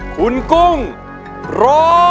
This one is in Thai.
คุณกุ้งรอ